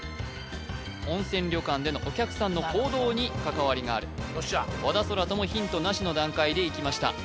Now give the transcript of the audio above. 温泉旅館でのお客さんの行動に関わりがある和田空大もヒントなしの段階でいきました